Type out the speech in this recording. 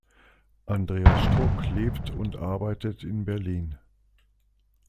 Andreas Struck lebt und arbeitet in Berlin.